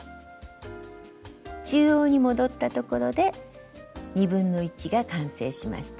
中央に戻ったところで1/2が完成しました。